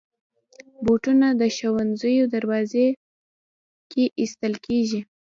بوټونه د ښوونځي دروازې کې ایستل کېږي.